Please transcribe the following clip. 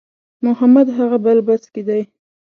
محمد هغه بل بس کې دی.